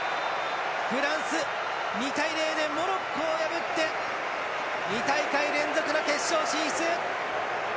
フランス２対０でモロッコを破って２大会連続の決勝進出。